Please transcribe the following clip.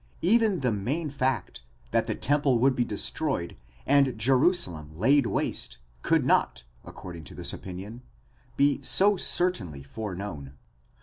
® Even the main fact, that the temple would be destroyed and Jerusalem laid waste, could not, according to this opinion, be so certainly foreknown.